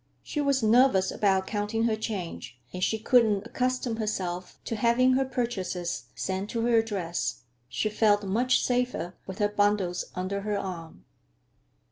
She was nervous about counting her change, and she could not accustom herself to having her purchases sent to her address. She felt much safer with her bundles under her arm.